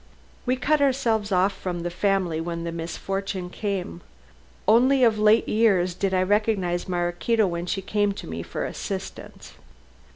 We cut ourselves off from the family when the misfortune came. Only of late years did I recognize Maraquito when she came to me for assistance.